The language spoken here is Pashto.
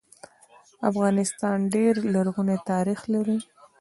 افغانستان ډير لرغونی تاریخ لري